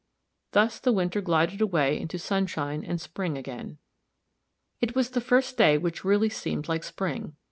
Thus the winter glided away into sunshine and spring again. It was the first day which had really seemed like spring.